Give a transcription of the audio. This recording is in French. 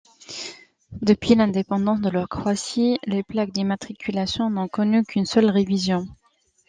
Depuis l'indépendance de la Croatie, les plaques d'immatriculations n'ont connu qu'une seule révision.